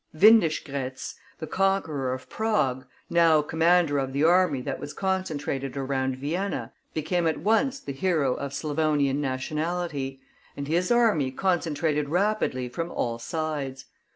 Windischgrätz, the conqueror of Prague, now commander of the army that was concentrated around Vienna, became at once the hero of Slavonian nationality. And his army concentrated rapidly from all sides.